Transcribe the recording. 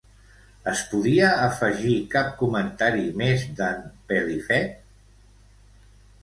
Es podia afegir cap comentari més d'en Pelifet?